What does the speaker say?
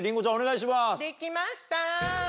できました！